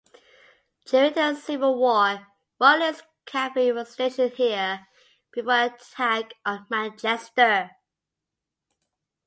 During the Civil War, Royalist cavalry were stationed here, before the attack on Manchester.